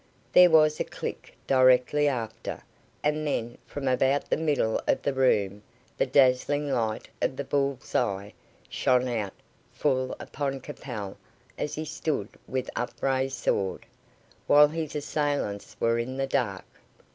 There was a click directly after, and then from about the middle of the room the dazzling light of the bull's eye shone out full upon Capel as he stood with upraised sword, while his assailants were in the dark.